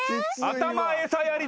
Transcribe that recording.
頭餌やり？